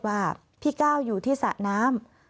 ว่าพี่ก้าวอยู่ที่สระน้ำ